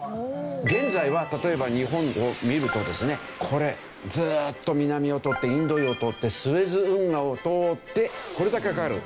現在は例えば日本を見るとですねこれずっと南を通ってインド洋通ってスエズ運河を通ってこれだけかかる。